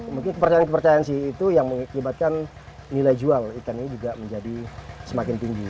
mungkin kepercayaan kepercayaan sih itu yang mengakibatkan nilai jual ikan ini juga menjadi semakin tinggi